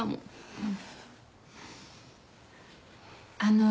うん。